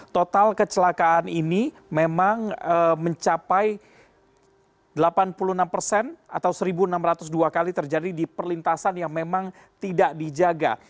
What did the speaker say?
total kecelakaan ini memang mencapai delapan puluh enam persen atau seribu enam ratus dua kali terjadi di perlintasan yang memang tidak dijaga